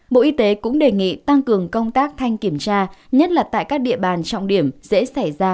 bộ y tế cũng đề nghị tăng cường công tác thanh kiểm tra nhất là tại các địa bàn trọng điểm dễ xảy ra